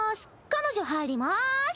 彼女入ります！